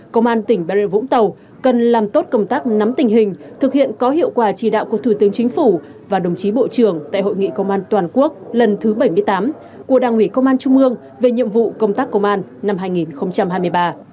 công an tỉnh bà rịa vũng tàu cần làm tốt công tác nắm tình hình thực hiện có hiệu quả chỉ đạo của thủ tướng chính phủ và đồng chí bộ trưởng tại hội nghị công an toàn quốc lần thứ bảy mươi tám của đảng ủy công an trung ương về nhiệm vụ công tác công an năm hai nghìn hai mươi ba